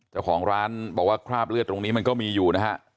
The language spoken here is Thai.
เจ้าของร้านบอกว่าคราบเลือดตรงนี้มันก็มีอยู่นะฮะ